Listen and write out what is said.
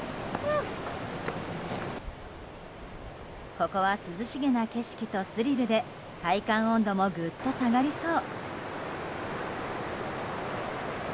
ここは涼しげな景色とスリルで体感温度もぐっと下がりそう。